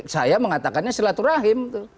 saya mengatakannya silaturahim